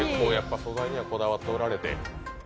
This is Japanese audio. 素材にはこだわっておられて。